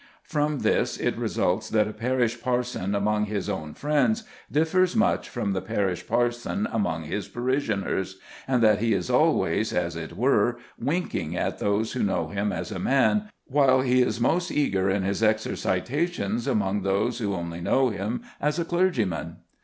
From this it results that a parish parson among his own friends differs much from the parish parson among his parishioners, and that he is always, as it were, winking at those who know him as a man, while he is most eager in his exercitations among those who only know him as a clergyman.